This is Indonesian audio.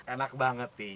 enak banget sih